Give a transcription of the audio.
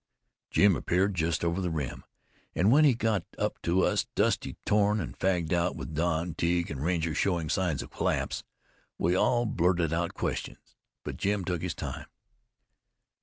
Jim appeared just over the rim, and when he got up to us, dusty, torn and fagged out, with Don, Tige and Ranger showing signs of collapse, we all blurted out questions. But Jim took his time.